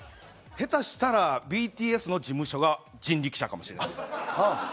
下手したらＢＴＳの事務所が人力舎かもしれないです。